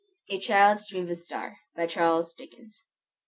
A CHILD'S DREAM OF A STAR. BY CHARLES DICKENS.